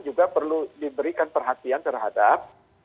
juga perlu diberikan perhatian terhadap